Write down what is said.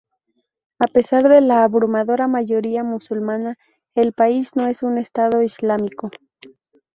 A pesar de la abrumadora mayoría musulmana, el país no es un estado islámico.